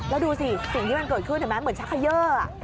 แล้วดูสิสิ่งที่มันเกิดขึ้นเหมือนชะเขยืออ่ะ